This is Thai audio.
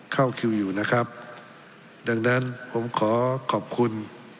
เข้าคิวอยู่นะครับดังนั้นผมขอขอบคุณ